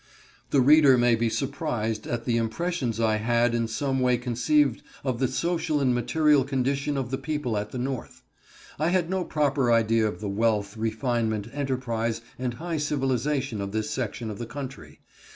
The reader may be surprised at the impressions I had in some way conceived of the social and material condition of the people at the North. I had no proper idea of the wealth, refinement, enterprise, and high civilization of this section of the country.